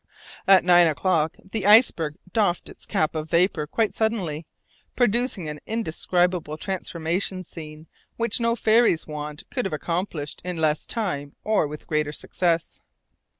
At nine o'clock the iceberg doffed its cap of vapour quite suddenly, producing an indescribable transformation scene which no fairy's wand could have accomplished in less time or with greater success.